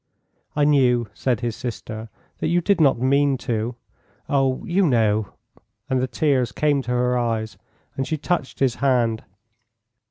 "I knew," said his sister, "that you did not mean to. Oh, you know!" and the tears came to her eyes, and she touched his hand.